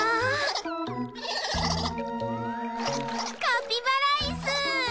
カピバライス！